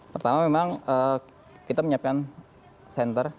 pertama memang kita menyiapkan center